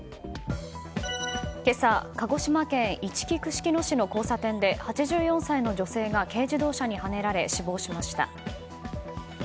今朝、鹿児島県いちき串木野市の交差点で８４歳の女性が軽自動車にはねられ死亡しました。